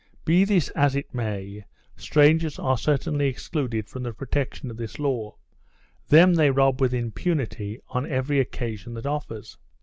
Be this as it may, strangers are certainly excluded from the protection of this law; them they rob with impunity, on every occasion that offers.